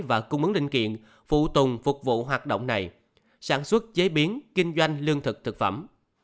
và cung ứng linh kiện phụ tùng phục vụ hoạt động này sản xuất chế biến kinh doanh lương thực thực phẩm